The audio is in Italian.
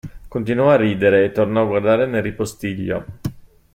Continuò a ridere, e tornò a guardare nel ripostiglio.